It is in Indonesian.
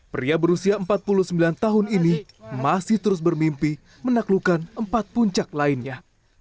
pria berusia empat puluh sembilan tahun ini masih terus bermimpi menaklukkan empat puncak lainnya